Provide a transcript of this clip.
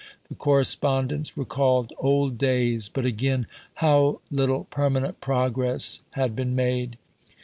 The correspondence recalled old days, but again "How little permanent progress had been made!"